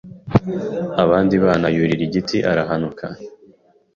abandi bana yurira igiti arahanuka